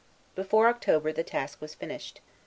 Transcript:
Before October, the task was finished.